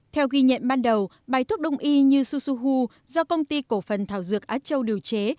theo ghi nhận ban đầu bài thuốc đông y như susuhu do công ty cổ phần thảo dược á châu điều chế